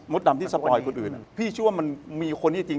กูอยากกินอันนี้แต่กูไม่กิน